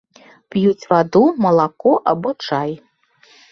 П'юць ваду, малако або чай.